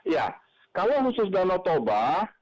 ya kalau khusus danau toba